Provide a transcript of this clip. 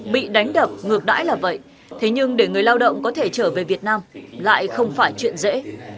bị đánh đập ngược đãi là vậy thế nhưng để người lao động có thể trở về việt nam lại không phải chuyện dễ